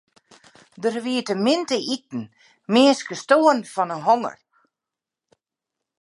Der wie te min te iten, minsken stoaren fan 'e honger.